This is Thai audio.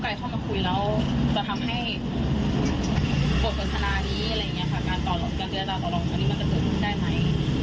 การเล่นแง่คำของทางกฎหมาย